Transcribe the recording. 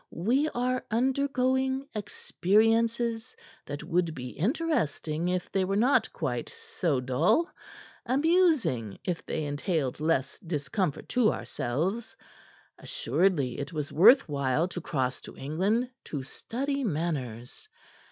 We are undergoing experiences that would be interesting if they were not quite so dull, amusing if they entailed less discomfort to ourselves. Assuredly, it was worth while to cross to England to study manners.